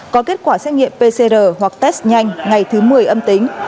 có kết quả xét nghiệm pcr hoặc test nhanh ngày thứ một mươi âm tính